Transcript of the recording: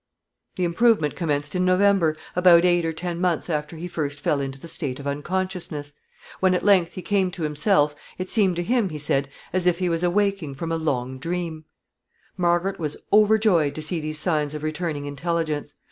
The improvement commenced in November, about eight or ten months after he first fell into the state of unconsciousness. When at length he came to himself, it seemed to him, he said, as if he was awaking from a long dream. [Sidenote: Recovery.] Margaret was overjoyed to see these signs of returning intelligence.